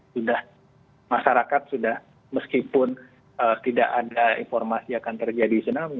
sudah masyarakat sudah meskipun tidak ada informasi akan terjadi tsunami